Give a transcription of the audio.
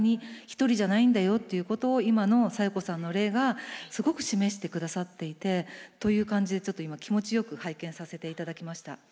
一人じゃないんだよっていうことを今の小夜子さんの例がすごく示してくださっていてという感じでちょっと今気持ちよく拝見させていただきました。